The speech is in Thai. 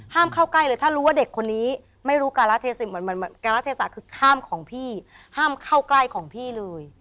ห้ามเข้าใกล้เลยถ้ารู้ว่าเด็กคนนี้ไม่รู้การาเทสาคือข้ามของพี่ห้ามเข้าใกล้ของพี่เลย